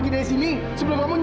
siapa sih malam malam kayak gini